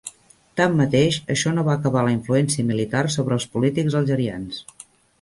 Tanmateix, això no va acabar la influència militar sobre els polítics algerians.